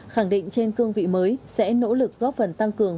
khẳng định trên cương vị mới sẽ nỗ lực góp phần tăng cường